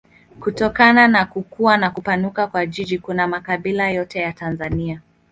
Kutokana na kukua na kupanuka kwa jiji kuna makabila yote ya Tanzania.